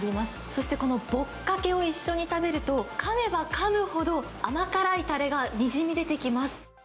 そしてこのぼっかけを一緒に食べると、かめばかむほど甘辛いたれがにじみ出てきます。